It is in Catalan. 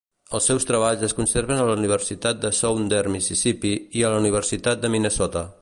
Els seus treballs es conserven a la Universitat de Southern Mississippi i a la Universitat de Minnesota.